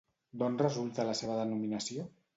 D'on resulta la seva denominació?